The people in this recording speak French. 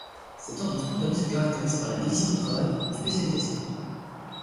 Cet ordre spontané se caractérise par la division du travail, ou spécialisation.